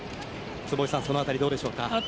坪井さんその辺りはどうでしょう。